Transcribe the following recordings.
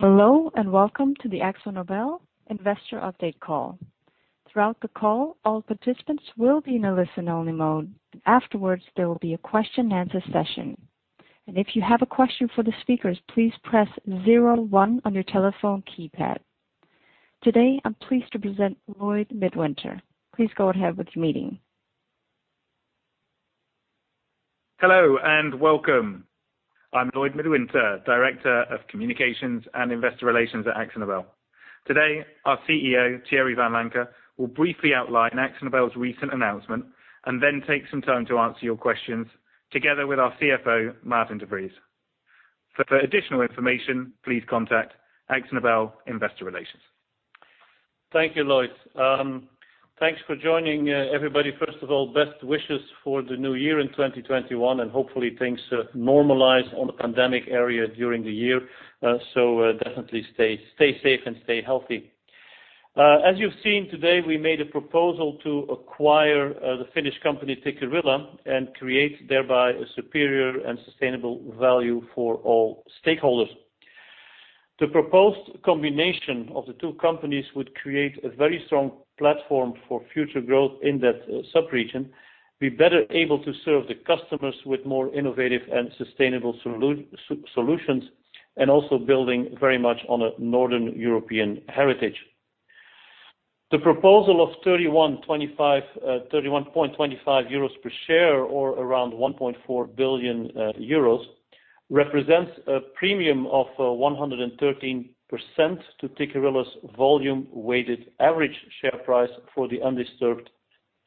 Hello, and welcome to the Akzo Nobel investor update call. Throughout the call, all participants will be in a listen-only mode. Afterwards, there will be a question and answer session. If you have a question for the speakers, please press zero one on your telephone keypad. Today, I'm pleased to present Lloyd Midwinter. Please go ahead with the meeting. Hello and welcome. I'm Lloyd Midwinter, Director of Communications and Investor Relations at Akzo Nobel. Today, our CEO, Thierry Vanlancker, will briefly outline Akzo Nobel's recent announcement and then take some time to answer your questions together with our CFO, Maarten de Vries. For additional information, please contact Akzo Nobel investor relations. Thank you, Lloyd. Thanks for joining everybody. First of all, best wishes for the new year in 2021, and hopefully things normalize on the pandemic area during the year. Definitely stay safe and stay healthy. As you've seen today, we made a proposal to acquire the Finnish company, Tikkurila, and create thereby a superior and sustainable value for all stakeholders. The proposed combination of the two companies would create a very strong platform for future growth in that sub-region, be better able to serve the customers with more innovative and sustainable solutions, and also building very much on a Northern European heritage. The proposal of 31.25 euros per share or around 1.4 billion euros represents a premium of 113% to Tikkurila's volume weighted average share price for the undisturbed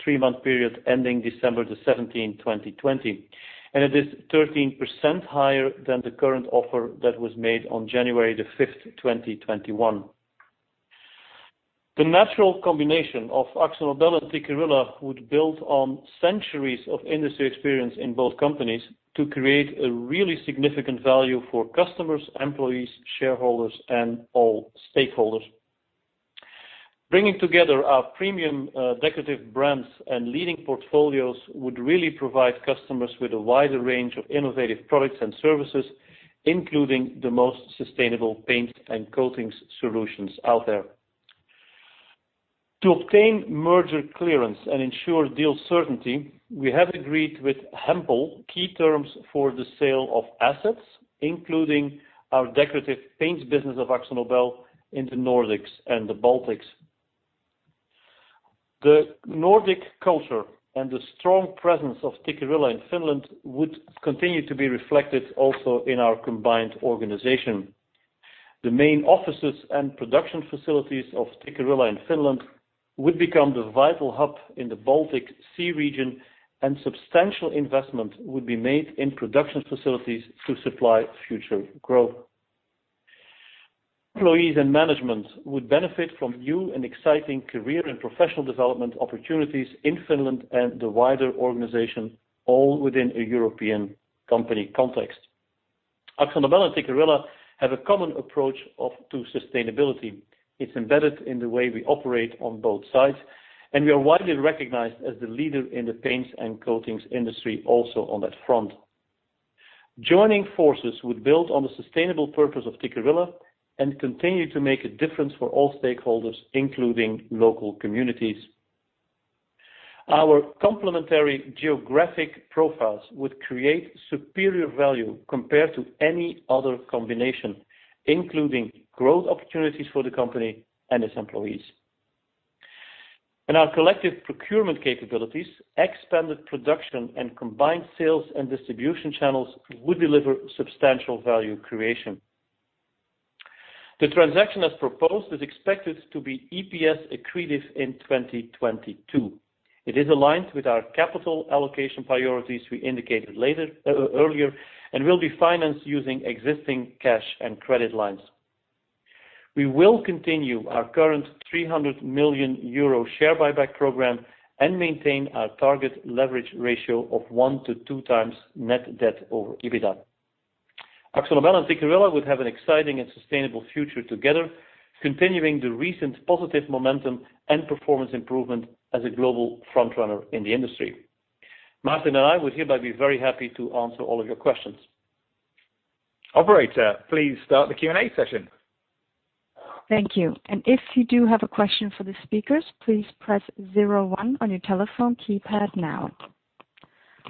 three-month period ending December the 17th, 2020. It is 13% higher than the current offer that was made on January the 5th, 2021. The natural combination of Akzo Nobel and Tikkurila would build on centuries of industry experience in both companies to create a really significant value for customers, employees, shareholders, and all stakeholders. Bringing together our premium decorative brands and leading portfolios would really provide customers with a wider range of innovative products and services, including the most sustainable paint and coatings solutions out there. To obtain merger clearance and ensure deal certainty, we have agreed with Hempel key terms for the sale of assets, including our Decorative Paints business of Akzo Nobel in the Nordics and the Baltics. The Nordic culture and the strong presence of Tikkurila in Finland would continue to be reflected also in our combined organization. The main offices and production facilities of Tikkurila in Finland would become the vital hub in the Baltic Sea region, and substantial investment would be made in production facilities to supply future growth. Employees and management would benefit from new and exciting career and professional development opportunities in Finland and the wider organization, all within a European company context. Akzo Nobel and Tikkurila have a common approach to sustainability. It's embedded in the way we operate on both sides, and we are widely recognized as the leader in the paints and coatings industry also on that front. Joining forces would build on the sustainable purpose of Tikkurila and continue to make a difference for all stakeholders, including local communities. Our complementary geographic profiles would create superior value compared to any other combination, including growth opportunities for the company and its employees. Our collective procurement capabilities, expanded production, and combined sales and distribution channels would deliver substantial value creation. The transaction as proposed is expected to be EPS accretive in 2022. It is aligned with our capital allocation priorities we indicated earlier and will be financed using existing cash and credit lines. We will continue our current 300 million euro share buyback program and maintain our target leverage ratio of 1x-2x net debt over EBITDA. Akzo Nobel and Tikkurila would have an exciting and sustainable future together, continuing the recent positive momentum and performance improvement as a global frontrunner in the industry. Maarten and I would hereby be very happy to answer all of your questions. Operator, please start the Q&A session. Thank you. If you do have a question for the speakers, please press zero one on your telephone keypad now.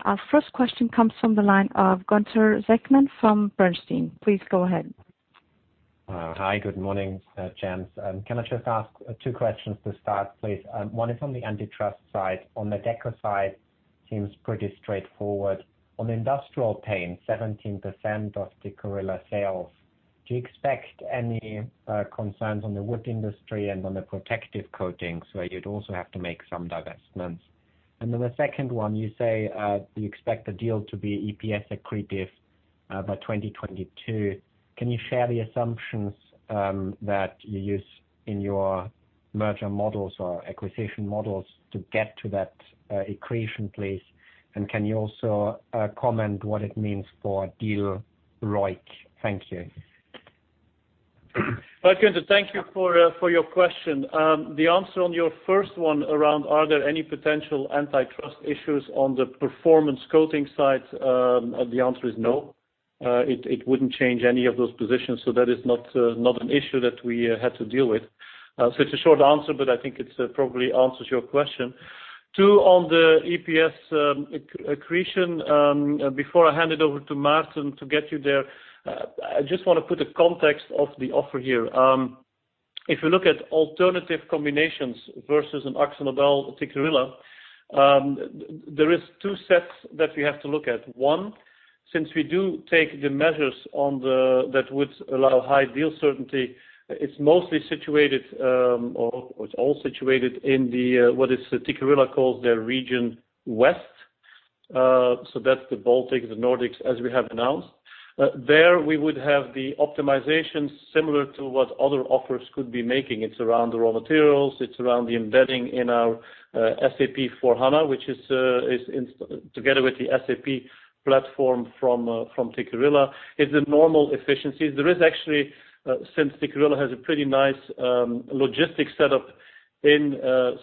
Our first question comes from the line of Gunther Zechmann from Bernstein. Please go ahead. Hi. Good morning, gents. Can I just ask two questions to start, please? One is on the antitrust side. The Deco side seems pretty straightforward. Regarding Performance Coatings, 17% of Tikkurila sales, do you expect any concerns on the wood industry and on the protective coatings where you'd also have to make some divestments? The second one, you say you expect the deal to be EPS accretive by 2022. Can you share the assumptions that you use in your merger models or acquisition models to get to that accretion, please? Can you also comment what it means for deal ROIC? Thank you. Gunther, thank you for your question. The answer on your first one around are there any potential antitrust issues on the Performance Coatings side? The answer is no. It wouldn't change any of those positions. That is not an issue that we had to deal with. It's a short answer, but I think it probably answers your question. Two, on the EPS accretion, before I hand it over to Maarten to get you there, I just want to put a context of the offer here. If you look at alternative combinations versus an Akzo Nobel, Tikkurila, there are two sets that we have to look at. One, since we do take the measures that would allow high deal certainty, it's mostly situated, or it's all situated in the, what Tikkurila calls their Region West. That's the Baltics, the Nordics, as we have announced. There, we would have the optimization similar to what other offers could be making. It's around the raw materials, it's around the embedding in our SAP S/4HANA, which is together with the SAP platform from Tikkurila, is the normal efficiencies. There is actually, since Tikkurila has a pretty nice logistics set up in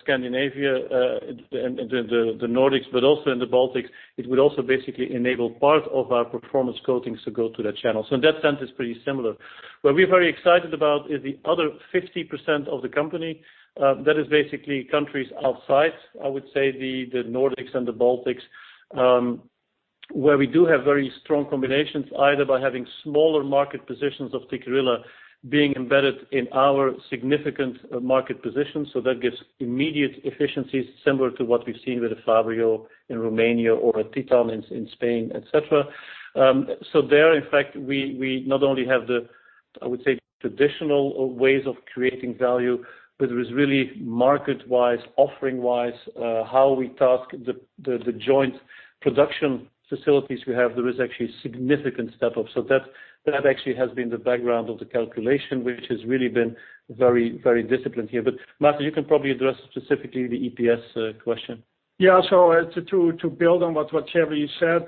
Scandinavia, in the Nordics, but also in the Baltics, it would also basically enable part of our Performance Coatings to go to that channel. In that sense, it's pretty similar. Where we're very excited about is the other 50% of the company, that is basically countries outside, I would say, the Nordics and the Baltics, where we do have very strong combinations, either by having smaller market positions of Tikkurila being embedded in our significant market position. That gives immediate efficiencies similar to what we've seen with Fabryo in Romania or at Titan in Spain, et cetera. There, in fact, we not only have the, I would say, traditional ways of creating value, but there is really market-wise, offering-wise, how we task the joint production facilities we have, there is actually a significant step up. That actually has been the background of the calculation, which has really been very disciplined here. Maarten, you can probably address specifically the EPS question. Yeah. To build on what Thierry said,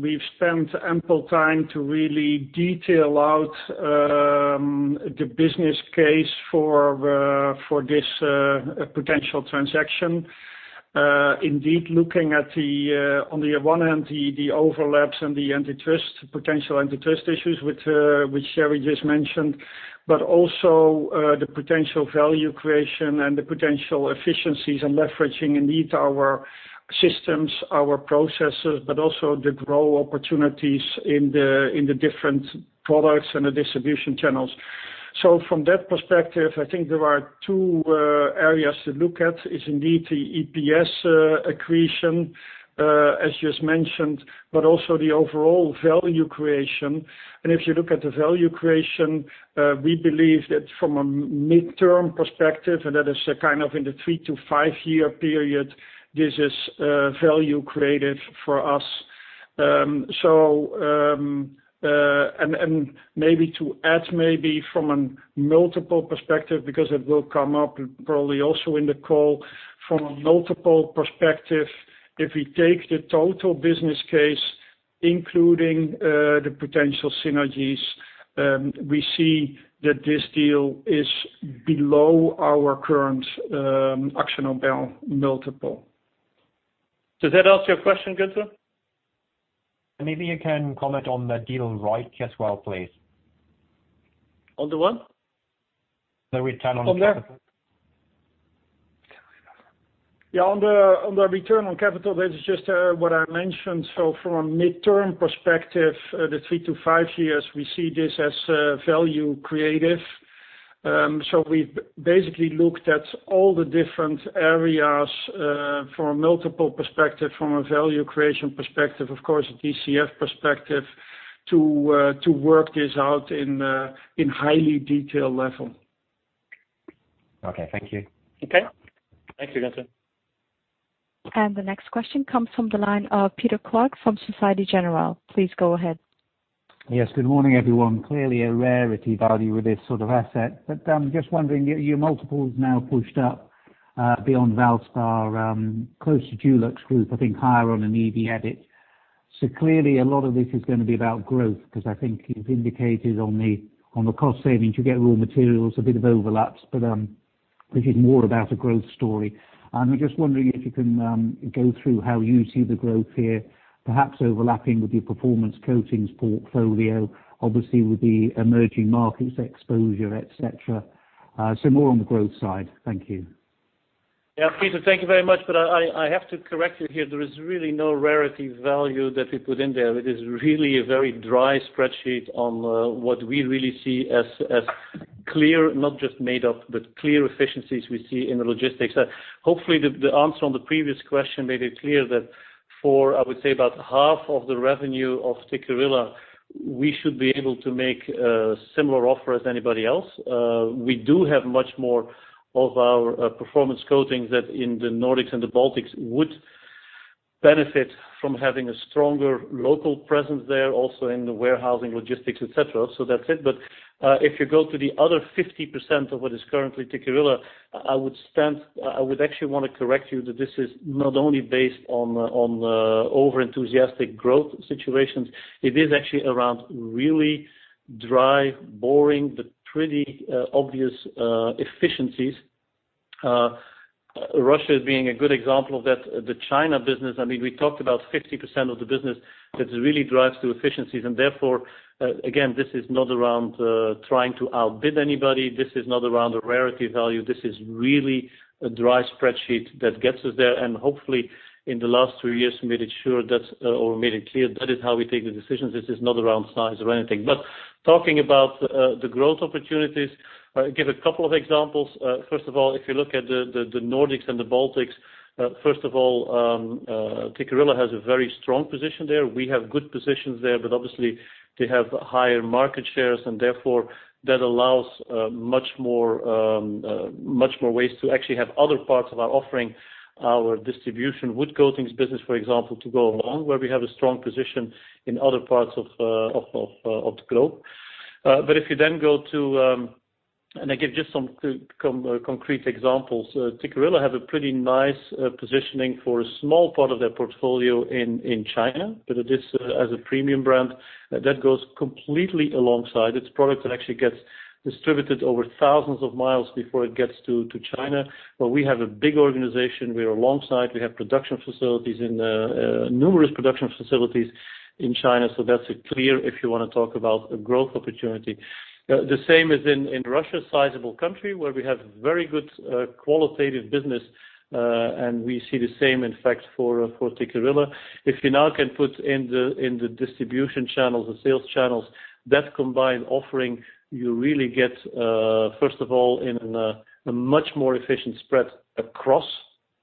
we've spent ample time to really detail out the business case for this potential transaction. Indeed, looking at the, on the one hand, the overlaps and the potential antitrust issues, which Thierry just mentioned, but also the potential value creation and the potential efficiencies and leveraging indeed our systems, our processes, but also the growth opportunities in the different products and the distribution channels. From that perspective, I think there are two areas to look at, is indeed the EPS accretion, as just mentioned, but also the overall value creation. If you look at the value creation, we believe that from a midterm perspective, and that is kind of in the three to five-year period, this is value creative for us. Maybe to add from a multiple perspective, because it will come up probably also in the call. From a multiple perspective, if we take the total business case, including the potential synergies, we see that this deal is below our current Akzo Nobel multiple. Does that answer your question, Gunther? Maybe you can comment on the deal ROIC as well, please. On the what? The return on capital. On the return on capital, that is just what I mentioned. From a midterm perspective, the three to five years, we see this as value creative. We've basically looked at all the different areas from a multiple perspective, from a value creation perspective, of course, a DCF perspective, to work this out in highly detailed level. Okay, thank you. Okay. Thank you, Gunther. The next question comes from the line of Peter Clark from Société Générale. Please go ahead. Yes, good morning, everyone. Clearly a rarity value with this sort of asset. I'm just wondering, your multiple is now pushed up beyond Valspar, close to DuluxGroup, I think higher on an EV/EBIT. Clearly, a lot of this is going to be about growth, because I think you've indicated on the cost savings, you get raw materials, a bit of overlaps, but this is more about a growth story. I'm just wondering if you can go through how you see the growth here, perhaps overlapping with your Performance Coatings portfolio, obviously with the emerging markets exposure, et cetera. More on the growth side. Thank you. Yeah, Peter, thank you very much, but I have to correct you here. There is really no rarity value that we put in there. It is really a very dry spreadsheet on what we really see as clear, not just made up, but clear efficiencies we see in the logistics. Hopefully, the answer on the previous question made it clear that for, I would say about half of the revenue of Tikkurila, we should be able to make a similar offer as anybody else. We do have much more of our Performance Coatings that in the Nordics and the Baltics would benefit from having a stronger local presence there, also in the warehousing, logistics, et cetera. That's it. If you go to the other 50% of what is currently Tikkurila, I would actually want to correct you that this is not only based on over-enthusiastic growth situations. It is actually around really dry, boring, but pretty obvious efficiencies. Russia is being a good example of that. The China business, we talked about 50% of the business that really drives through efficiencies. Therefore, again, this is not around trying to outbid anybody. This is not around a rarity value. This is really a dry spreadsheet that gets us there. Hopefully, in the last three years, we made it clear that is how we take the decisions. This is not around size or anything. Talking about the growth opportunities, I'll give a couple of examples. First of all, if you look at the Nordics and the Baltics, first of all, Tikkurila has a very strong position there. We have good positions there, obviously they have higher market shares, and therefore, that allows much more ways to actually have other parts of our offering, our distribution wood coatings business, for example, to go along where we have a strong position in other parts of the globe. I give just some concrete examples. Tikkurila have a pretty nice positioning for a small part of their portfolio in China, it is as a premium brand that goes completely alongside. It's a product that actually gets distributed over thousands of miles before it gets to China, where we have a big organization. We are alongside. We have numerous production facilities in China. That's clear if you want to talk about a growth opportunity. The same as in Russia, a sizable country where we have very good qualitative business. We see the same, in fact, for Tikkurila. If you now can put in the distribution channels or sales channels, that combined offering, you really get, first of all, in a much more efficient spread across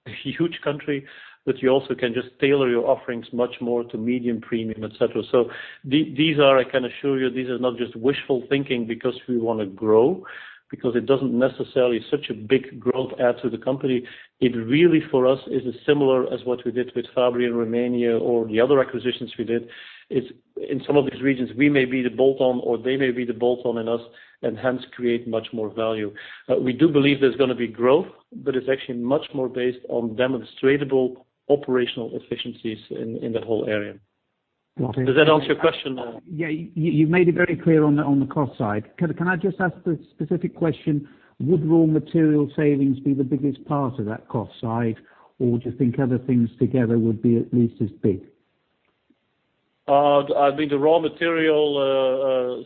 a huge country. You also can just tailor your offerings much more to medium premium, et cetera. I can assure you, these are not just wishful thinking because we want to grow, because it doesn't necessarily such a big growth add to the company. It really, for us, is as similar as what we did with Fabryo in Romania or the other acquisitions we did. In some of these regions, we may be the bolt-on or they may be the bolt-on in us, and hence create much more value. We do believe there's going to be growth, but it's actually much more based on demonstrable operational efficiencies in the whole area. Okay. Does that answer your question? Yeah. You've made it very clear on the cost side. Can I just ask the specific question, would raw material savings be the biggest part of that cost side, or do you think other things together would be at least as big? I think the raw material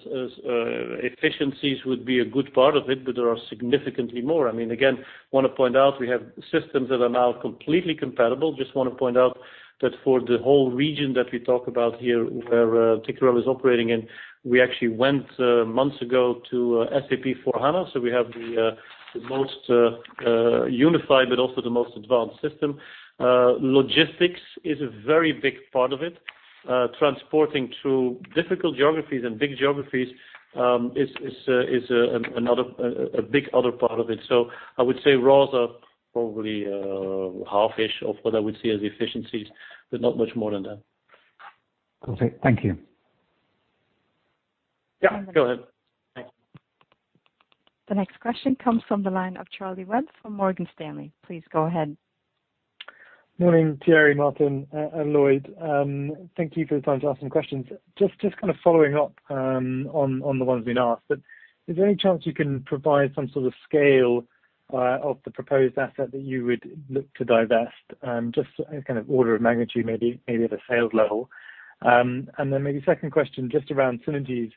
efficiencies would be a good part of it, but there are significantly more. Want to point out we have systems that are now completely compatible. Just want to point out that for the whole region that we talk about here, where Tikkurila is operating in, we actually went months ago to SAP S/4HANA. We have the most unified but also the most advanced system. Logistics is a very big part of it. Transporting through difficult geographies and big geographies is a big other part of it. I would say raws are probably half-ish of what I would see as efficiencies, but not much more than that. Okay. Thank you. Yeah. Go ahead. Thanks. The next question comes from the line of Charlie Webb from Morgan Stanley. Please go ahead. Morning, Thierry, Maarten, and Lloyd. Thank you for the time to ask some questions. Just following up on the ones we've asked, is there any chance you can provide some sort of scale of the proposed asset that you would look to divest? Just a kind of order of magnitude, maybe at a sales level. Maybe second question, just around synergies.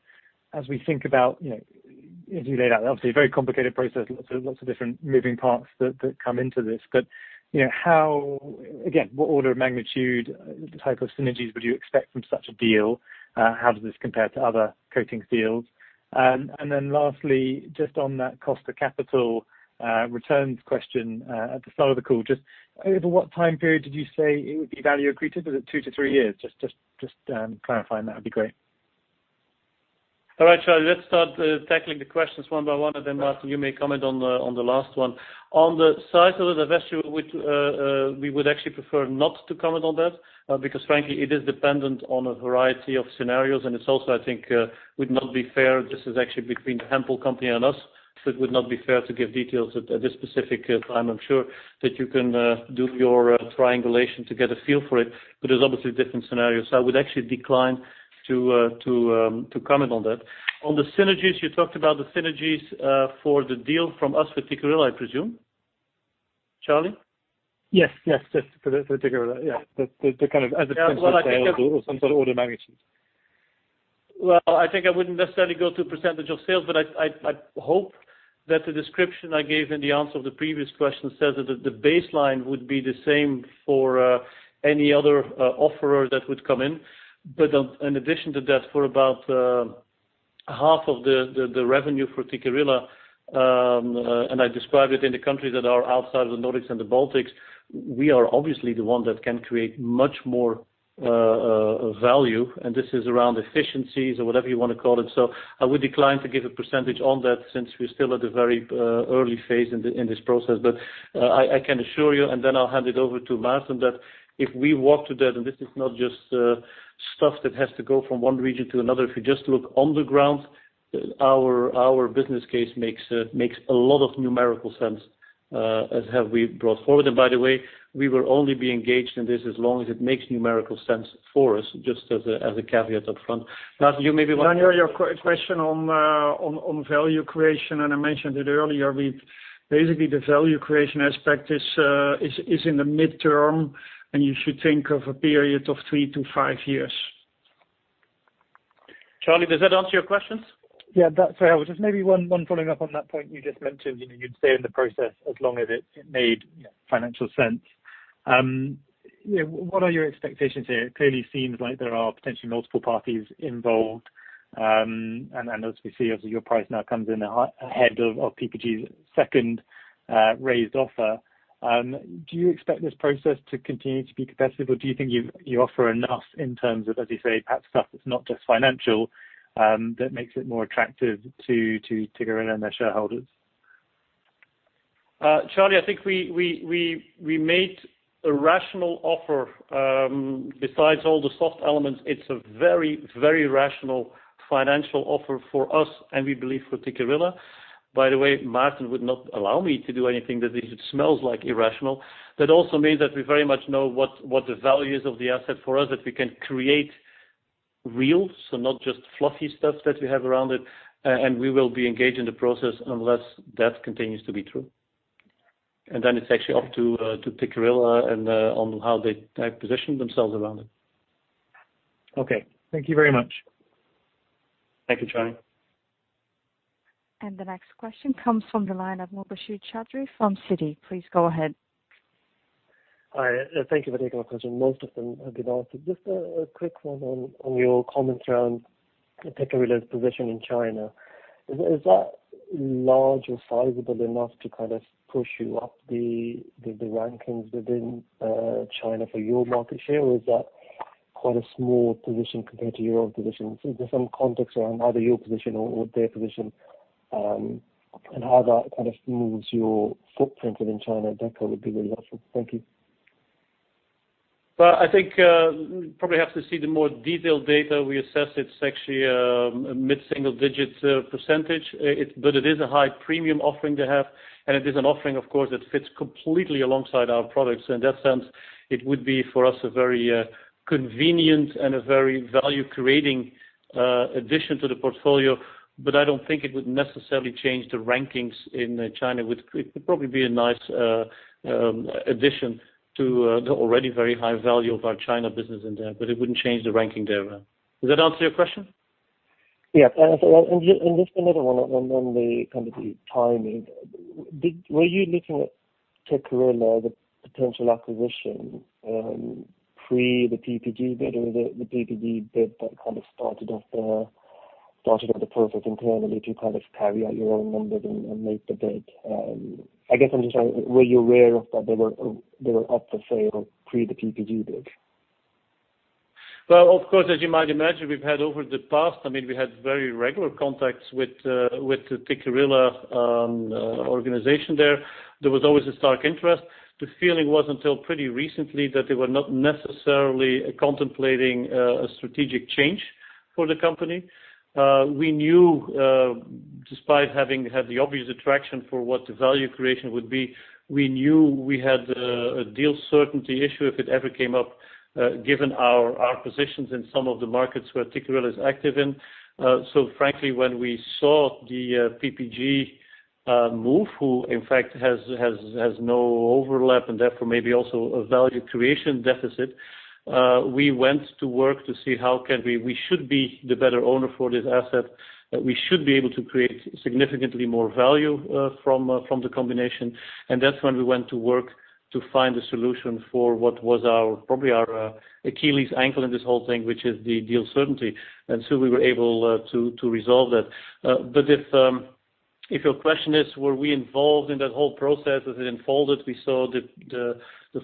As we think about, as you laid out, obviously a very complicated process, lots of different moving parts that come into this. Again, what order of magnitude type of synergies would you expect from such a deal? How does this compare to other coatings deals? Lastly, just on that cost to capital returns question at the start of the call, just over what time period did you say it would be value accretive? Is it two to three years? Just clarifying that would be great. All right, Charlie, let's start tackling the questions one by one, and then Maarten, you may comment on the last one. On the size of the divestiture, we would actually prefer not to comment on that because frankly, it is dependent on a variety of scenarios, and it's also, I think, would not be fair. This is actually between the Hempel and us, so it would not be fair to give details at this specific time. I'm sure that you can do your triangulation to get a feel for it, but there's obviously different scenarios. I would actually decline to comment on that. On the synergies, you talked about the synergies for the deal from us for Tikkurila, I presume. Charlie? Yes, yes. Just for Tikkurila. Yeah. The kind of as a percentage of sales or some sort of order management. I think I wouldn't necessarily go to percentage of sales, but I hope that the description I gave in the answer of the previous question says that the baseline would be the same for any other offeror that would come in. In addition to that, for about half of the revenue for Tikkurila, and I described it in the countries that are outside of the Nordics and the Baltics, we are obviously the one that can create much more value, and this is around efficiencies or whatever you want to call it. I would decline to give a percentage on that since we're still at a very early phase in this process. I can assure you, and then I'll hand it over to Maarten, that if we walk to that, and this is not just stuff that has to go from one region to another. If you just look on the ground, our business case makes a lot of numerical sense, as have we brought forward. By the way, we will only be engaged in this as long as it makes numerical sense for us, just as a caveat up front. Maarten, you maybe want- Daniel, your question on value creation. I mentioned it earlier. Basically, the value creation aspect is in the midterm. You should think of a period of three to five years. Charlie, does that answer your questions? Just maybe one following up on that point you just mentioned. You'd stay in the process as long as it made financial sense. What are your expectations here? It clearly seems like there are potentially multiple parties involved, and as we see, obviously your price now comes in ahead of PPG's second raised offer. Do you expect this process to continue to be competitive, or do you think you offer enough in terms of, as you say, perhaps stuff that's not just financial, that makes it more attractive to Tikkurila and their shareholders? Charlie, I think we made a rational offer. Besides all the soft elements, it's a very rational financial offer for us, and we believe for Tikkurila. By the way, Maarten would not allow me to do anything that even smells irrational. That also means that we very much know what the value is of the asset for us, that we can create real, so not just fluffy stuff that we have around it, and we will be engaged in the process unless that continues to be true. Then it's actually up to Tikkurila on how they position themselves around it. Okay. Thank you very much. Thank you, Charlie. The next question comes from the line of Mubasher Chaudhry from Citi. Please go ahead. Hi. Thank you for taking my question. Most of them have been answered. Just a quick one on your comments around Tikkurila's position in China. Is that large or sizable enough to push you up the rankings within China for your market share, or is that quite a small position compared to your own position? Just some context around either your position or their position, and how that moves your footprint within China. That probably would be really helpful. Thank you. Well, I think probably have to see the more detailed data. We assess it's actually a mid-single digit percentage. It is a high premium offering they have, and it is an offering, of course, that fits completely alongside our products. In that sense, it would be for us a very convenient and a very value-creating addition to the portfolio. I don't think it would necessarily change the rankings in China. It would probably be a nice addition to the already very high value of our China business in there, but it wouldn't change the ranking there. Does that answer your question? Yeah. Just another one on the timing. Were you looking at Tikkurila, the potential acquisition, pre the PPG bid or the PPG bid that started the process internally to carry out your own numbers and make the bid? I guess I'm just trying to Were you aware that they were up for sale pre the PPG bid? Of course, as you might imagine, we had very regular contacts with the Tikkurila organization there. There was always a stark interest. The feeling was until pretty recently that they were not necessarily contemplating a strategic change for the company. Despite having had the obvious attraction for what the value creation would be, we knew we had a deal certainty issue if it ever came up, given our positions in some of the markets where Tikkurila is active in. Frankly, when we saw the PPG move, who in fact has no overlap and therefore maybe also a value creation deficit, we went to work to see how we should be the better owner for this asset, that we should be able to create significantly more value from the combination. That's when we went to work to find a solution for what was probably our Achilles' heel in this whole thing, which is the deal certainty. We were able to resolve that. If your question is, were we involved in that whole process as it unfolded, we saw the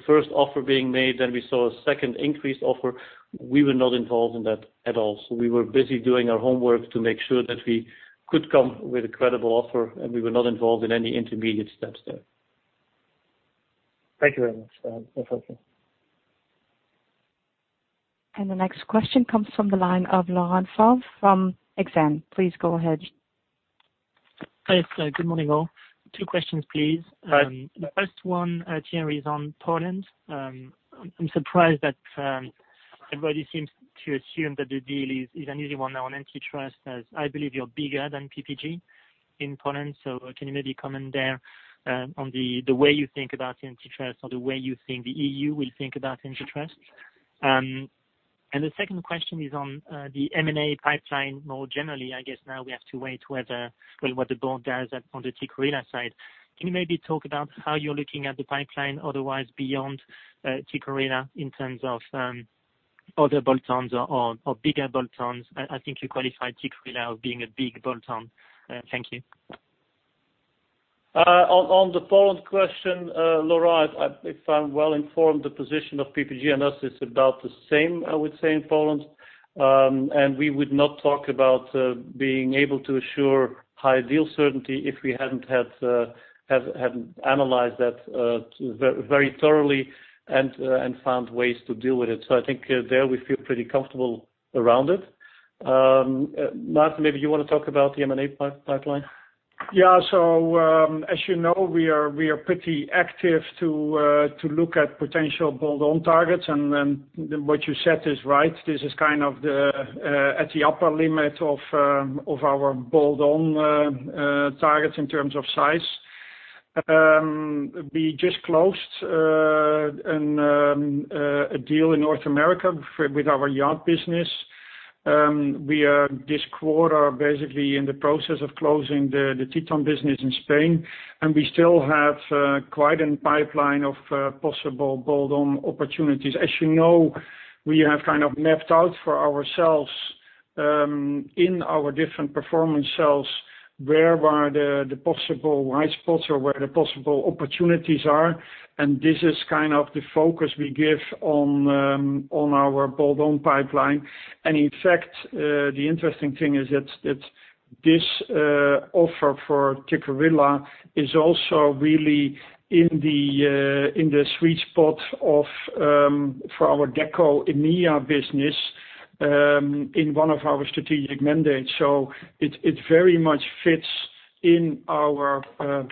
first offer being made, then we saw a second increased offer, we were not involved in that at all. We were busy doing our homework to make sure that we could come with a credible offer, and we were not involved in any intermediate steps there. Thank you very much. That's helpful. The next question comes from the line of Laurent Favre from Exane. Please go ahead. Yes. Good morning, all. Two questions, please. Hi. The first one, Thierry, is on Poland. I'm surprised that everybody seems to assume that the deal is an easy one now on antitrust, as I believe you're bigger than PPG in Poland. Can you maybe comment there on the way you think about antitrust or the way you think the EU will think about antitrust? The second question is on the M&A pipeline more generally. I guess now we have to wait what the board does on the Tikkurila side. Can you maybe talk about how you're looking at the pipeline otherwise beyond Tikkurila in terms of other bolt-ons or bigger bolt-ons? I think you qualify Tikkurila as being a big bolt-on. Thank you. On the Poland question, Laurent, if I'm well informed, the position of PPG and us is about the same, I would say, in Poland. We would not talk about being able to assure high deal certainty if we hadn't analyzed that very thoroughly and found ways to deal with it. I think there we feel pretty comfortable around it. Maarten, maybe you want to talk about the M&A pipeline? Yeah. As you know, we are pretty active to look at potential bolt-on targets. What you said is right, this is kind of at the upper limit of our bolt-on targets in terms of size. We just closed a deal in North America with our yacht business. We are, this quarter, basically in the process of closing the Titan business in Spain, and we still have quite a pipeline of possible bolt-on opportunities. As you know, we have kind of mapped out for ourselves, in our different performance segments, where are the possible white spots or where the possible opportunities are. This is kind of the focus we give on our bolt-on pipeline. In fact, the interesting thing is that this offer for Tikkurila is also really in the sweet spot for our Deco EMEA business, in one of our strategic mandates. It very much fits in our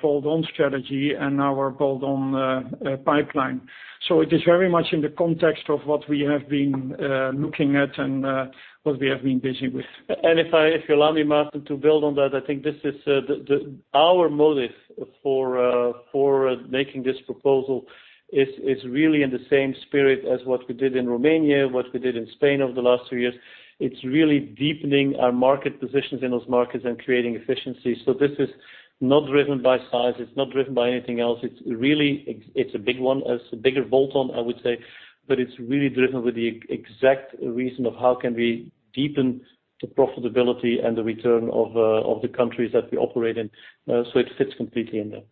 bolt-on strategy and our bolt-on pipeline. It is very much in the context of what we have been looking at and what we have been busy with. If you allow me, Maarten, to build on that, I think our motive for making this proposal is really in the same spirit as what we did in Romania, what we did in Spain over the last two years. It's really deepening our market positions in those markets and creating efficiency. This is not driven by size, it's not driven by anything else. It's a bigger bolt-on, I would say. It's really driven with the exact reason of how can we deepen the profitability and the return of the countries that we operate in. It fits completely in there.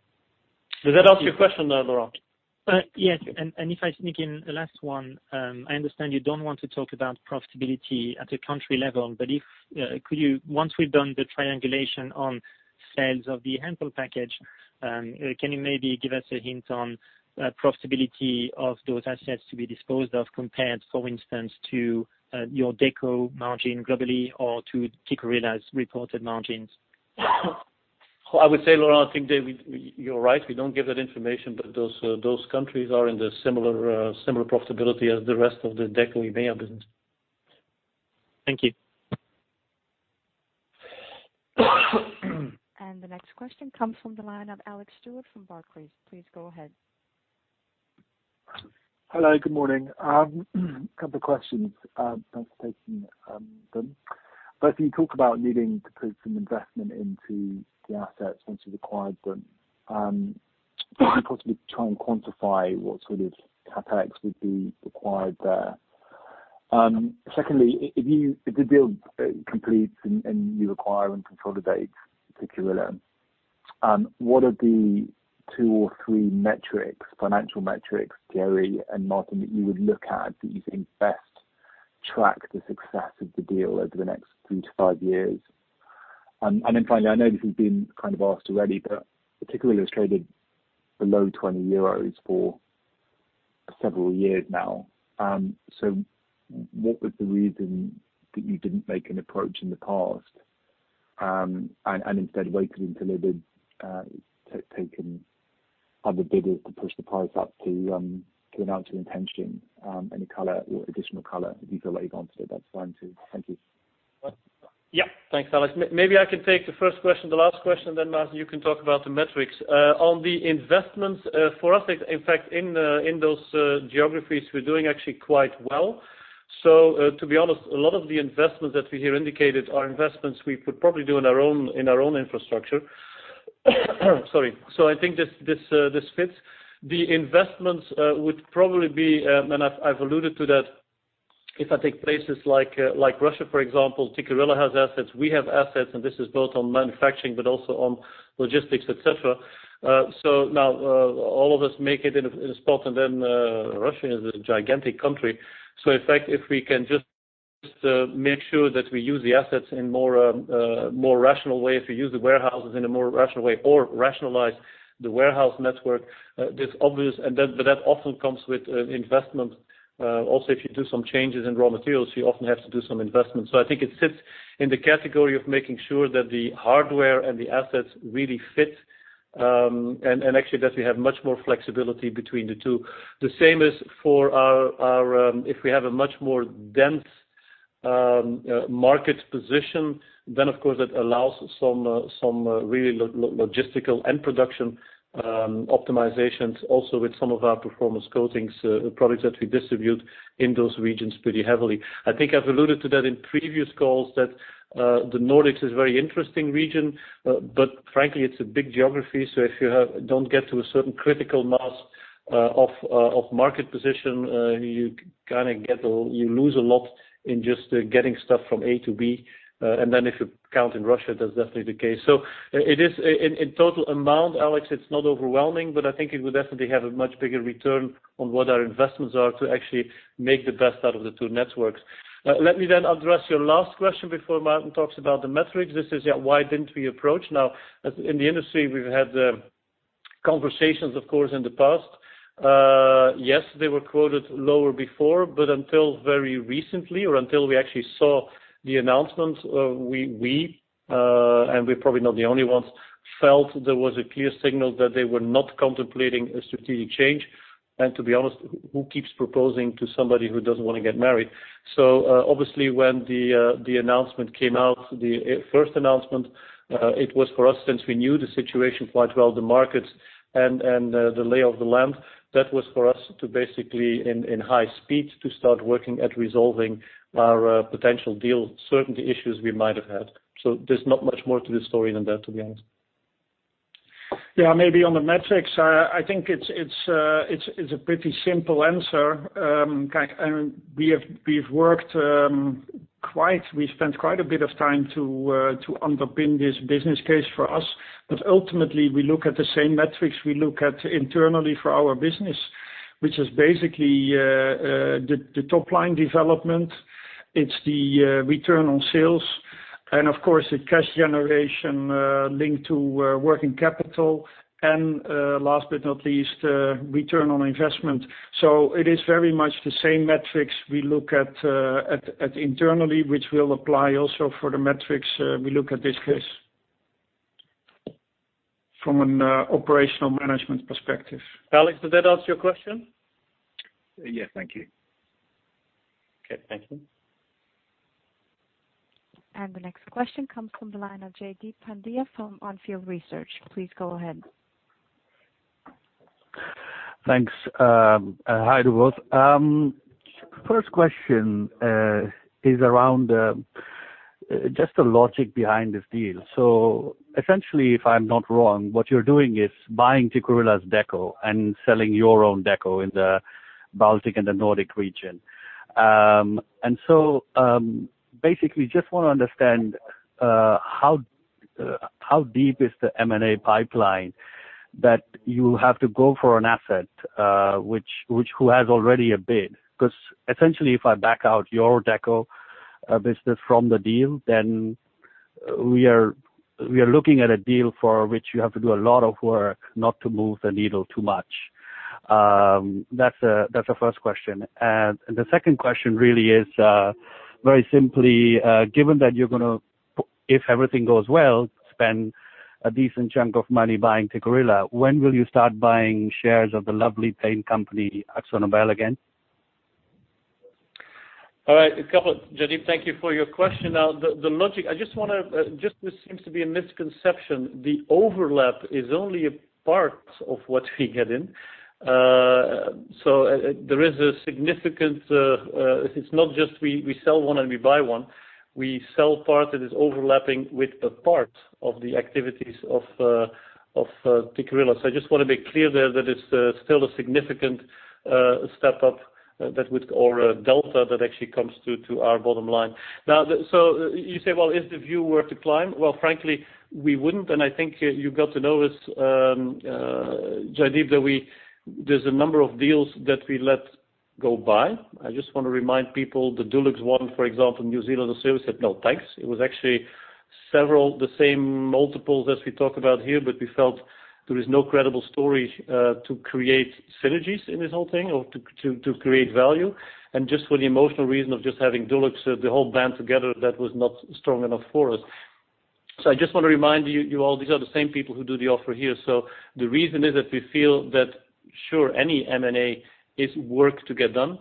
Does that answer your question there, Laurent? Yes. If I sneak in the last one, I understand you don't want to talk about profitability at a country level, once we've done the triangulation on sales of the Hempel package, can you maybe give us a hint on profitability of those assets to be disposed of, compared, for instance, to your Deco margin globally or to Tikkurila's reported margins? I would say, Laurent, I think that you're right. We don't give that information. Those countries are in the similar profitability as the rest of the Deco EMEA business. Thank you. The next question comes from the line of Alex Stewart from Barclays. Please go ahead. Hello, good morning. A couple of questions. Thanks for taking them. Both of you talked about needing to put some investment into the assets once you've acquired them. Would you possibly try and quantify what sort of CapEx would be required there? Secondly, if the deal completes and you acquire and consolidate Tikkurila, what are the two or three financial metrics, Thierry and Maarten, that you would look at that you think best track the success of the deal over the next three to five years? Finally, I know this has been kind of asked already, but Tikkurila has traded below 20 euros for several years now. What was the reason that you didn't make an approach in the past, and instead waited until there had been other bidders to push the price up to an amount you were intending. Any color or additional color? If you've already gone through it, that's fine too. Thank you. Yeah. Thanks, Alex. I can take the first question, the last question, Maarten, you can talk about the metrics. On the investments, for us, in fact, in those geographies, we're doing actually quite well. To be honest, a lot of the investments that we here indicated are investments we could probably do in our own infrastructure. Sorry. I think this fits. The investments would probably be, and I've alluded to that, if I take places like Russia, for example, Tikkurila has assets, we have assets, and this is both on manufacturing but also on logistics, et cetera. Now all of us make it in a spot, Russia is a gigantic country. In fact, if we can just make sure that we use the assets in more rational ways, we use the warehouses in a more rational way, or rationalize the warehouse network, but that often comes with investment. Also, if you do some changes in raw materials, you often have to do some investment. I think it sits in the category of making sure that the hardware and the assets really fit, and actually that we have much more flexibility between the two. The same is for our, if we have a much more dense market position, then of course that allows some really logistical end production optimizations also with some of our Performance Coatings products that we distribute in those regions pretty heavily. I think I've alluded to that in previous calls, that the Nordics is a very interesting region. Frankly, it's a big geography, so if you don't get to a certain critical mass of market position, you lose a lot in just getting stuff from A to B. If you count in Russia, that's definitely the case. In total amount, Alex, it's not overwhelming, but I think it would definitely have a much bigger return on what our investments are to actually make the best out of the two networks. Let me then address your last question before Maarten talks about the metrics. This is why didn't we approach? In the industry we've had conversations, of course, in the past. They were quoted lower before, but until very recently or until we actually saw the announcement, we, and we're probably not the only ones, felt there was a clear signal that they were not contemplating a strategic change. To be honest, who keeps proposing to somebody who doesn't want to get married? Obviously when the announcement came out, the first announcement, it was for us, since we knew the situation quite well, the markets and the lay of the land, that was for us to basically in high speed to start working at resolving our potential deal certainty issues we might have had. There's not much more to the story than that, to be honest. Yeah, maybe on the metrics, I think it's a pretty simple answer. We've spent quite a bit of time to underpin this business case for us. Ultimately, we look at the same metrics we look at internally for our business, which is basically the top-line development. It's the return on sales and, of course, the cash generation linked to working capital and last but not least, return on investment. It is very much the same metrics we look at internally which will apply also for the metrics we look at this case from an operational management perspective. Alex, does that answer your question? Yeah. Thank you. Okay. Thank you. The next question comes from the line of Jaideep Pandya from On Field Investment Research. Please go ahead. Thanks. Hi, both. First question is around just the logic behind this deal. Essentially, if I'm not wrong, what you're doing is buying Tikkurila's Deco and selling your own Deco in the Baltic and the Nordic region. Basically, just want to understand how deep is the M&A pipeline that you have to go for an asset, who has already a bid? Essentially, if I back out your Deco business from the deal, then we are looking at a deal for which you have to do a lot of work not to move the needle too much. That's the first question. The second question really is, very simply, given that you're going to, if everything goes well, spend a decent chunk of money buying Tikkurila, when will you start buying shares of the lovely paint company, Akzo Nobel, again? All right. Jaideep, thank you for your question. The logic, this seems to be a misconception. The overlap is only a part of what we get in. It's not just we sell one and we buy one. We sell part that is overlapping with a part of the activities of Tikkurila. I just want to be clear there that it's still a significant step up or delta that actually comes to our bottom line. You say, well, if the view were to climb, well, frankly, we wouldn't, and I think you got to know this, Jaideep, that there's a number of deals that we let go by. I just want to remind people, the Dulux one, for example, New Zealand, Australia said, "No, thanks." It was actually several the same multiples as we talk about here. We felt there is no credible story to create synergies in this whole thing or to create value. Just for the emotional reason of just having Dulux, the whole brand together, that was not strong enough for us. I just want to remind you all, these are the same people who do the offer here. The reason is that we feel that, sure, any M&A is work to get done.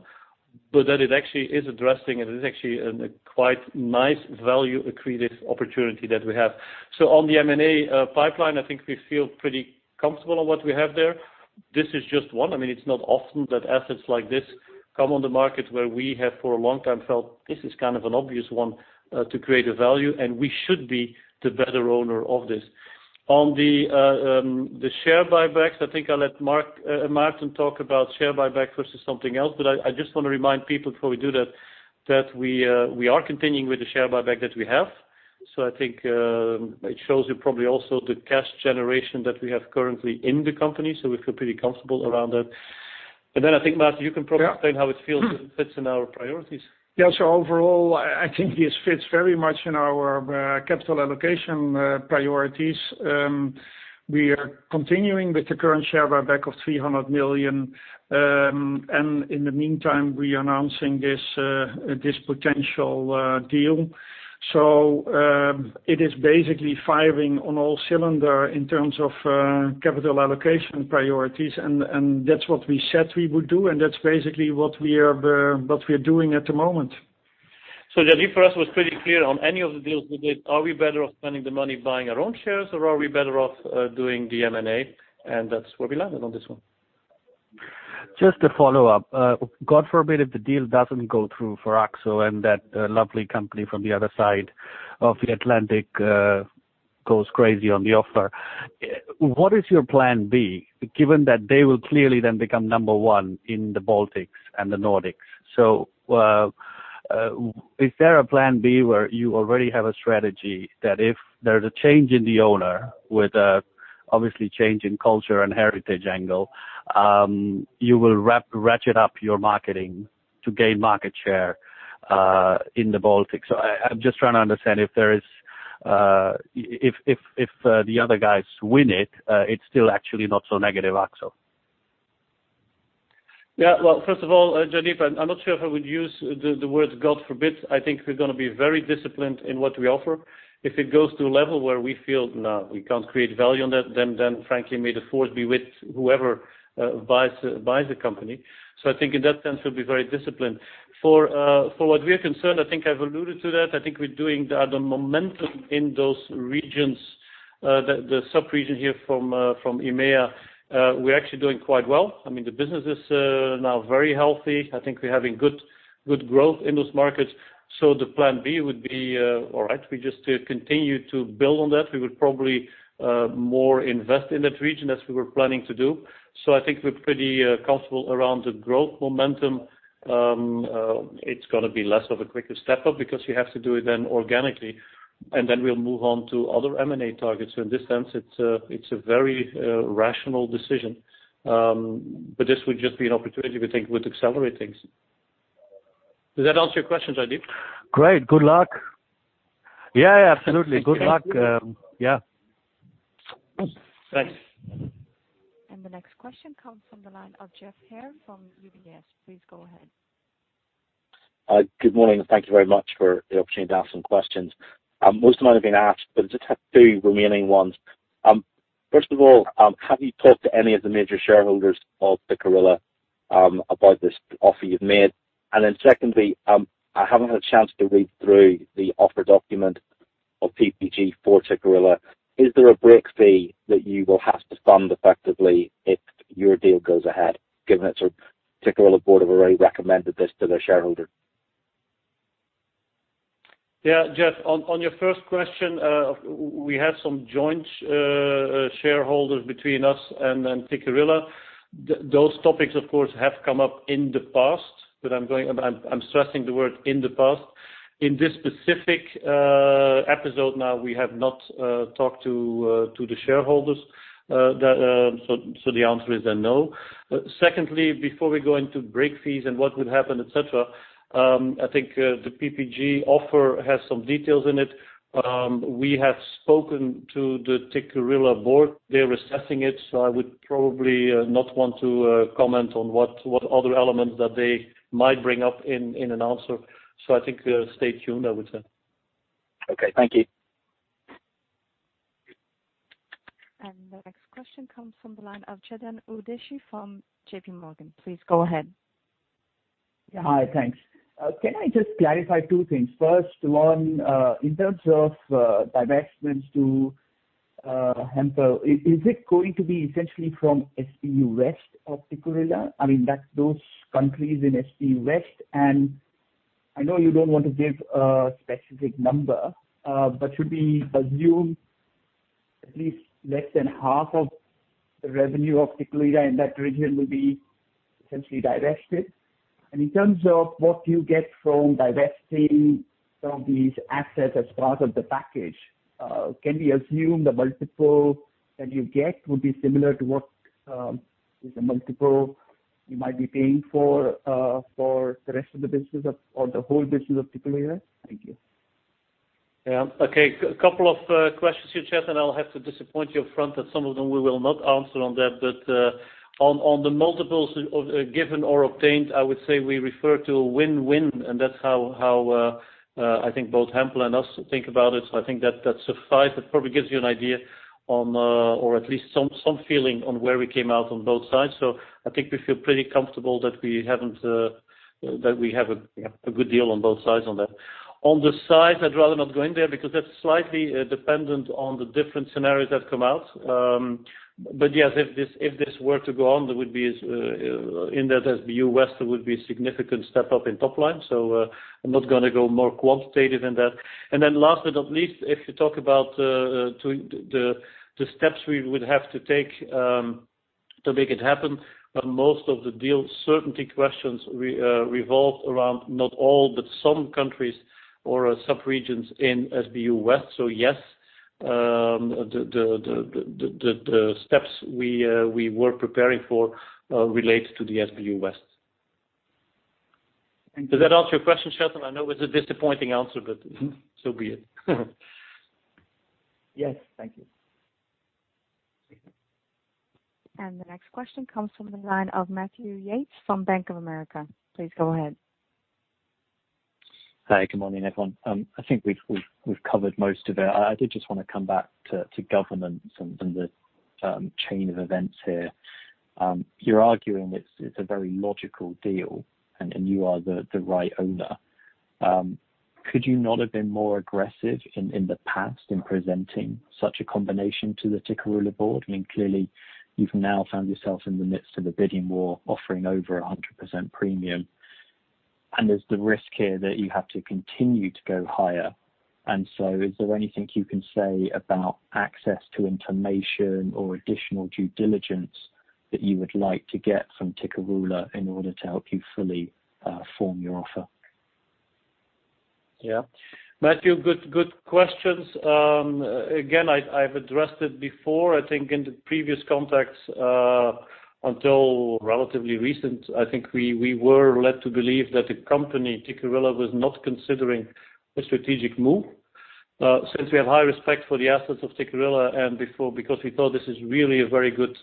That it actually is addressing it. It is actually a quite nice value accretive opportunity that we have. On the M&A pipeline, I think we feel pretty comfortable on what we have there. This is just one. It's not often that assets like this come on the market where we have for a long time felt this is kind of an obvious one to create a value, and we should be the better owner of this. On the share buybacks, I think I'll let Maarten talk about share buyback versus something else. I just want to remind people before we do that we are continuing with the share buyback that we have. I think it shows you probably also the cash generation that we have currently in the company. We feel pretty comfortable around that. I think, Maarten, you can probably explain how it fits in our priorities. Yeah. Overall, I think this fits very much in our capital allocation priorities. We are continuing with the current share buyback of 300 million. In the meantime, we are announcing this potential deal. It is basically firing on all cylinders in terms of capital allocation priorities, and that's what we said we would do, and that's basically what we are doing at the moment. Jaideep, for us, it was pretty clear on any of the deals we did, are we better off spending the money buying our own shares, or are we better off doing the M&A? That's where we landed on this one. Just a follow-up. God forbid, if the deal doesn't go through for Akzo and that lovely company from the other side of the Atlantic goes crazy on the offer, what is your plan B, given that they will clearly then become number one in the Baltics and the Nordics? Is there a plan B where you already have a strategy that if there's a change in the owner with obviously change in culture and heritage angle, you will ratchet up your marketing to gain market share? In the Baltic. I'm just trying to understand if the other guys win it's still actually not so negative, Akzo. Well, first of all, Jaideep, I'm not sure if I would use the words God forbid. I think we're going to be very disciplined in what we offer. If it goes to a level where we feel, no, we can't create value on that, then frankly, may the force be with whoever buys a company. I think in that sense, we'll be very disciplined. For what we're concerned, I think I've alluded to that. I think we're doing the other momentum in those regions, the sub-region here from EMEA, we're actually doing quite well. The business is now very healthy. I think we're having good growth in those markets. The plan B would be, all right, we just continue to build on that. We would probably more invest in that region as we were planning to do. I think we're pretty comfortable around the growth momentum. It's going to be less of a quicker step up because you have to do it then organically, and then we'll move on to other M&A targets. In this sense, it's a very rational decision. This would just be an opportunity we think would accelerate things. Does that answer your question, Jaideep? Great. Good luck. Yeah, absolutely. Good luck. Yeah. Thanks. The next question comes from the line of Geoff Haire from UBS. Please go ahead. Good morning, thank you very much for the opportunity to ask some questions. Most of mine have been asked, I just have two remaining ones. First of all, have you talked to any of the major shareholders of Tikkurila about this offer you've made? Secondly, I haven't had a chance to read through the offer document of PPG for Tikkurila. Is there a break fee that you will have to fund effectively if your deal goes ahead, given that sort of Tikkurila board have already recommended this to their shareholder? Yeah. Geoff, on your first question, we have some joint shareholders between us and Tikkurila. Those topics, of course, have come up in the past, but I'm stressing the word in the past. In this specific episode now, we have not talked to the shareholders. The answer is then no. Before we go into break fees and what would happen, et cetera, I think the PPG offer has some details in it. We have spoken to the Tikkurila board. They're assessing it, I would probably not want to comment on what other elements that they might bring up in an answer. I think stay tuned, I would say. Okay. Thank you. The next question comes from the line of Chetan Udeshi from JPMorgan. Please go ahead. Hi. Thanks. Can I just clarify two things? First one, in terms of divestments to Hempel, is it going to be essentially from SBU West of Tikkurila? I mean that those countries in SBU West, I know you don't want to give a specific number, but should we assume at least less than half of the revenue of Tikkurila in that region will be essentially divested? In terms of what you get from divesting some of these assets as part of the package, can we assume the multiple that you get would be similar to what is the multiple you might be paying for the rest of the business of, or the whole business of Tikkurila? Thank you. Okay. A couple of questions here, Chetan, I'll have to disappoint you up front that some of them we will not answer on that. On the multiples given or obtained, I would say we refer to a win-win, and that's how I think both Hempel and us think about it. I think that suffices. It probably gives you an idea on, or at least some feeling on where we came out on both sides. I think we feel pretty comfortable that we have a good deal on both sides on that. On the size, I'd rather not go in there because that's slightly dependent on the different scenarios that come out. Yes, if this were to go on, there would be in that SBU West, there would be a significant step up in top line. I'm not going to go more quantitative than that. Last but not least, if you talk about the steps we would have to take to make it happen, most of the deal certainty questions revolve around not all, but some countries or subregions in SBU West. Yes, the steps we were preparing for relates to the SBU West. Thank you. Does that answer your question, Chetan? I know it's a disappointing answer, but so be it. Yes. Thank you. The next question comes from the line of Matthew Yates from Bank of America. Please go ahead. Hi. Good morning, everyone. I think we've covered most of it. I did just want to come back to governance and the chain of events here. You're arguing it's a very logical deal and you are the right owner. Could you not have been more aggressive in the past in presenting such a combination to the Tikkurila board? I mean, clearly you've now found yourself in the midst of a bidding war offering over 100% premium, and there's the risk here that you have to continue to go higher. Is there anything you can say about access to information or additional due diligence that you would like to get from Tikkurila in order to help you fully form your offer? Matthew, good questions. I've addressed it before, I think in the previous context, until relatively recent, I think we were led to believe that the company, Tikkurila, was not considering a strategic move. We have high respect for the assets of Tikkurila, and because we thought this is really a very good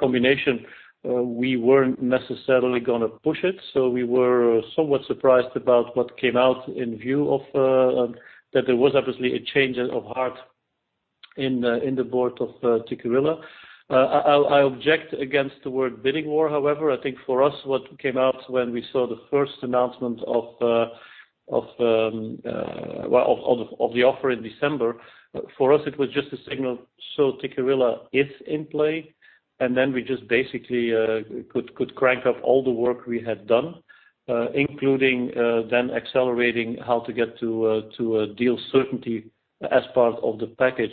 combination, we weren't necessarily going to push it. We were somewhat surprised about what came out in view of that there was obviously a change of heart in the board of Tikkurila. I object against the word bidding war, however. I think for us, what came out when we saw the first announcement of the offer in December, for us, it was just a signal, Tikkurila is in play, and then we just basically could crank up all the work we had done, including then accelerating how to get to a deal certainty as part of the package.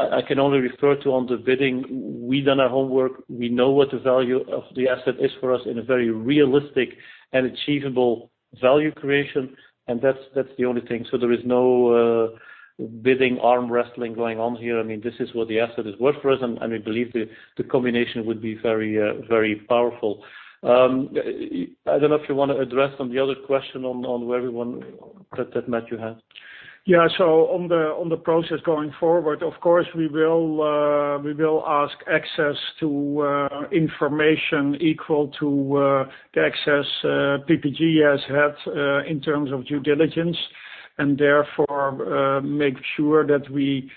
I can only refer to on the bidding, we've done our homework. We know what the value of the asset is for us in a very realistic and achievable value creation, and that's the only thing. There is no bidding arm wrestling going on here. This is what the asset is worth for us, and we believe the combination would be very powerful. I don't know if you want to address on the other question on where we want, that Matthew had. On the process going forward, of course, we will ask access to information equal to the access PPG has had in terms of due diligence, and therefore, make sure that we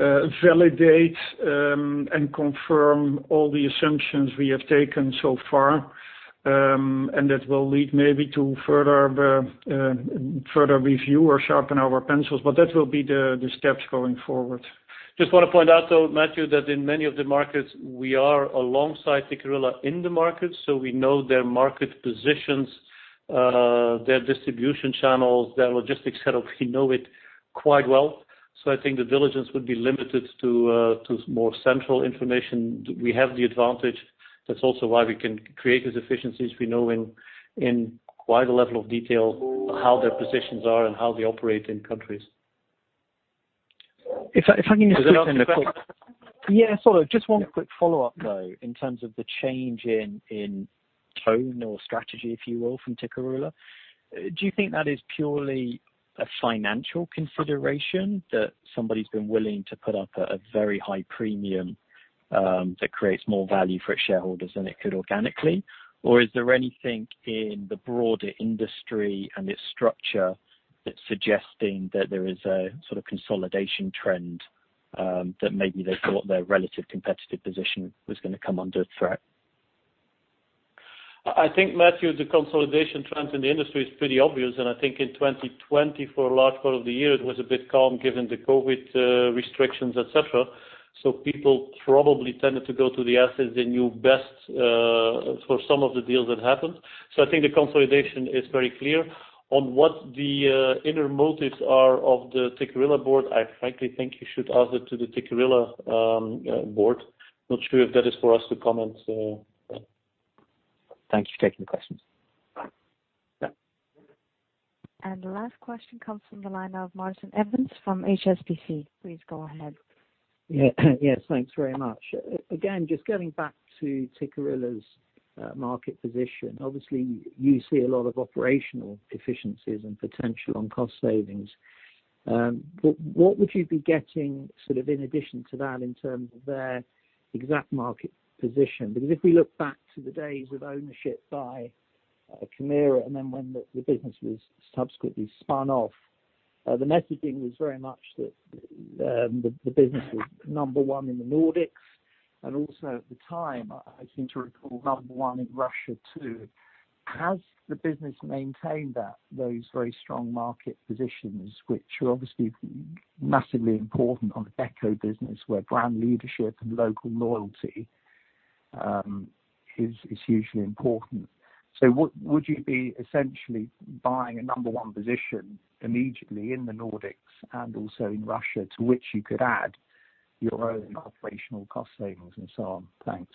validate and confirm all the assumptions we have taken so far, and that will lead maybe to further review or sharpen our pencils. That will be the steps going forward. Just want to point out, though, Matthew, that in many of the markets, we are alongside Tikkurila in the market, so we know their market positions, their distribution channels, their logistics setup. We know it quite well. I think the diligence would be limited to more central information. We have the advantage. That's also why we can create these efficiencies. We know in quite a level of detail how their positions are and how they operate in countries. If I can just. Was that the question? Yeah. Sorry. Just one quick follow-up, though. In terms of the change in tone or strategy, if you will, from Tikkurila, do you think that is purely a financial consideration that somebody's been willing to put up a very high premium that creates more value for its shareholders than it could organically? Is there anything in the broader industry and its structure that's suggesting that there is a sort of consolidation trend that maybe they thought their relative competitive position was going to come under threat? I think, Matthew, the consolidation trend in the industry is pretty obvious, and I think in 2020, for a large part of the year, it was a bit calm given the COVID restrictions, et cetera. People probably tended to go to the assets they knew best for some of the deals that happened. I think the consolidation is very clear. On what the inner motives are of the Tikkurila board, I frankly think you should ask that to the Tikkurila board. Not sure if that is for us to comment on. Thank you for taking the questions. Yeah. The last question comes from the line of Martin Evans from HSBC. Please go ahead. Yeah. Yes, thanks very much. Again, just going back to Tikkurila's market position. Obviously, you see a lot of operational efficiencies and potential on cost savings. What would you be getting in addition to that in terms of their exact market position? Because if we look back to the days of ownership by Kemira, and then when the business was subsequently spun off, the messaging was very much that the business was number one in the Nordics, and also at the time, I seem to recall number one in Russia, too. Has the business maintained those very strong market positions, which are obviously massively important on the Deco business, where brand leadership and local loyalty is hugely important. Would you be essentially buying a number one position immediately in the Nordics and also in Russia, to which you could add your own operational cost savings and so on? Thanks.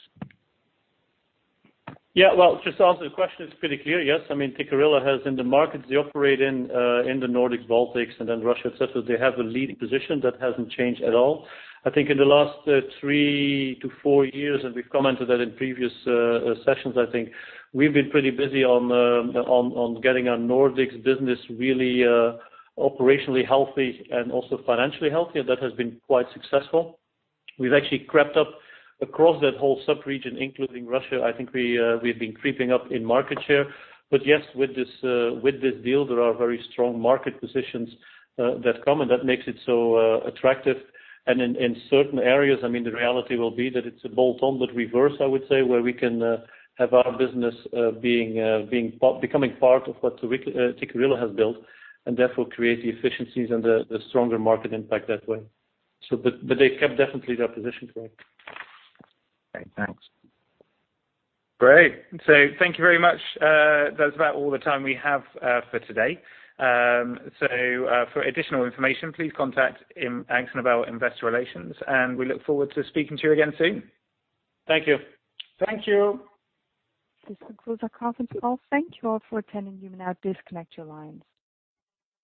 Yeah. Well, just to answer the question, it's pretty clear, yes. Tikkurila has, in the markets they operate in the Nordics, Baltics, and then Russia, et cetera, they have a leading position. That hasn't changed at all. I think in the last three to four years, and we've commented that in previous sessions, I think, we've been pretty busy on getting our Nordics business really operationally healthy and also financially healthy, and that has been quite successful. We've actually crept up across that whole sub region, including Russia. I think we've been creeping up in market share. Yes, with this deal, there are very strong market positions that come, and that makes it so attractive. In certain areas, the reality will be that it's a bolt-on, but reverse, I would say, where we can have our business becoming part of what Tikkurila has built, and therefore, create the efficiencies and the stronger market impact that way. They've kept definitely their position correct. Great. Thanks. Great. Thank you very much. That's about all the time we have for today. For additional information, please contact Akzo Nobel Investor Relations, and we look forward to speaking to you again soon. Thank you. Thank you. This concludes our conference call. Thank you all for attending. You may now disconnect your lines.